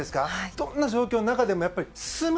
どんな状況の中でも、やっぱり進む。